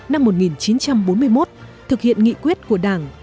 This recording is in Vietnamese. năm một nghìn chín trăm bốn mươi một thực hiện nghị quyết của đảng